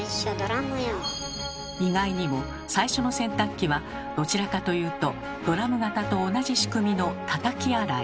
意外にも最初の洗濯機はどちらかというとドラム型と同じ仕組みの「たたき洗い」。